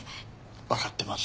わかってます